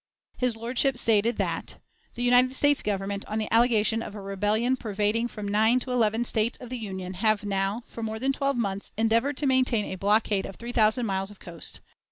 His lordship stated that "The United States Government, on the allegation of a rebellion pervading from nine to eleven States of the Union, have now, for more than twelve months, endeavored to maintain a blockade of three thousand miles of coast.